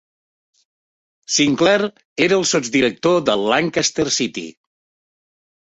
Sinclair era el sotsdirector del Lancaster City.